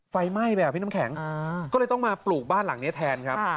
ไฟไหม้ไปอ่ะพี่น้ำแข็งก็เลยต้องมาปลูกบ้านหลังนี้แทนครับ